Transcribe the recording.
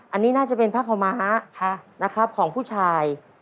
อันนี้น่าจะเป็นภาคม้าของผู้ชาย